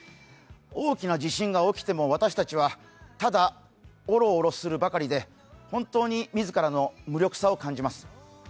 大きな地震が起きても私たちはただ、おろおろするばかりで本当に自らの無力さを感じます。